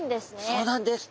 そうなんです。